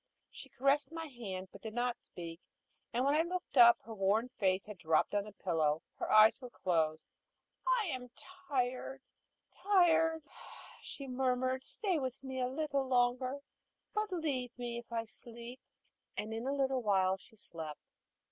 She caressed my hand, but did not speak; and when I looked up, her worn face had dropped on the pillow, and her eyes were closed. "I am tired tired," she murmured. "Stay with me a little longer, but leave me if I sleep." And in a little while she slept.